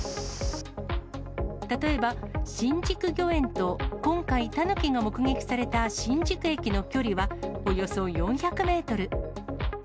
例えば、新宿御苑と、今回、タヌキが目撃された新宿駅の距離は、およそ４００メートル。